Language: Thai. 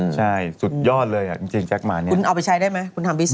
คุณเอาไปใช้ได้ไหมคุณทำบิสนิท